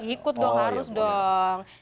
ikut dong harus dong